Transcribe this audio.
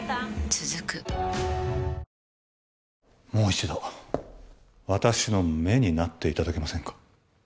続くもう一度私の目になっていただけませんか？